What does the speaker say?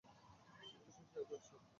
Location share করছি।